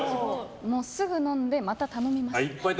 すぐ飲んで、また頼みます。